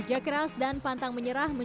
jadi kalau kita coba jual ini